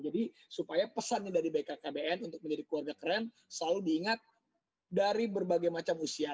jadi supaya pesannya dari bkkbn untuk menjadi keluarga keren selalu diingat dari berbagai macam usia